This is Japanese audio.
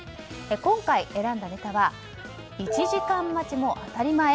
今回、選んだネタは１時間待ちも当たり前？